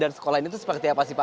dan sekolah ini seperti apa sih pak